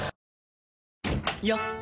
よっ！